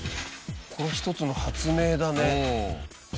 これは１つの発明だね。